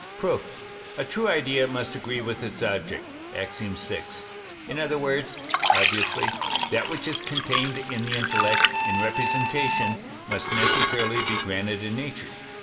Proof. A true idea must agree with its object (Ax. vi.); in other words (obviously), that which is contained in the intellect in representation must necessarily be granted in nature.